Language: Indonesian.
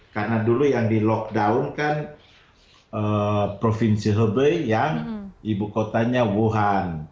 karena dulu yang di lockdown kan provinsi hebei yang ibu kotanya wuhan